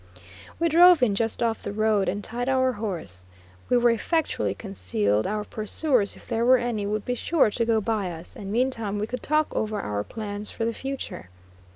We drove in just off the road, and tied our horse. We were effectually concealed; our pursuers, if there were any, would be sure to go by us, and meantime we could talk over our plans for the future.